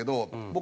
僕